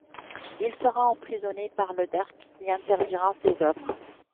Il sera emprisonné par le Derg qui interdira ses œuvres.